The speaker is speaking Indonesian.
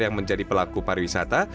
yang menjadi pelaku pariwisata